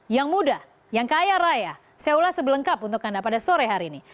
yang muda yang kaya raya saya ulas sebelengkap untuk anda pada sore hari ini